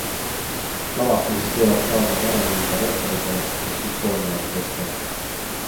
Lavastuses teevad kaasa Vanemuise ooperikoor ja sümfooniaorkester.